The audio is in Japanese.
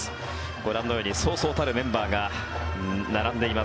ご覧のようにそうそうたるメンバーが並んでいます。